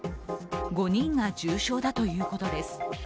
５人が重症だということです。